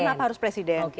kenapa harus presiden